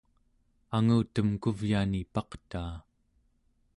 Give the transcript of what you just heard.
angutem kuvyani paqtaa